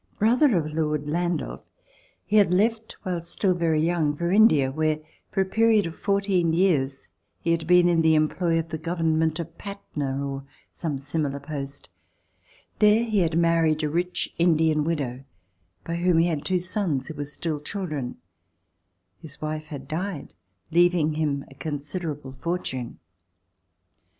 Brother of Lord Landaff, he had left while still very young for India, where, for a period of fourteen years, he had been in the em ploy of the Government of Patna, or some similar post. There he had married a rich Indian widow by [203 ] RECOLLECTIONS OF THE REVOLUTION whom he had two sons who were still children. His wife had died, leaving him a considerable fortune.